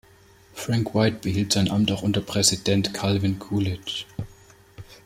Frank White behielt sein Amt auch unter Präsident Calvin Coolidge.